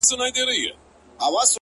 ته ټيک هغه یې خو اروا دي آتشي چیري ده ـ